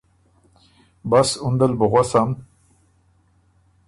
بس اُن دل بُو غؤسم